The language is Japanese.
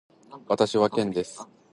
私はケンです。